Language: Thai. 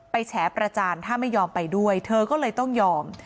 แฉประจานถ้าไม่ยอมไปด้วยเธอก็เลยต้องยอม